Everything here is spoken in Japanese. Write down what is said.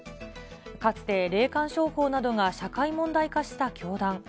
かつて霊感商法などが社会問題化した教団。